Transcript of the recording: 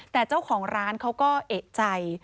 แต่เจ้าของร้านเขาก็เอกใจ